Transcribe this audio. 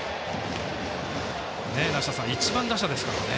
梨田さん、１番打者ですからね。